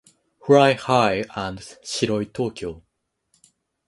Fly High and Shiroi Tokyo.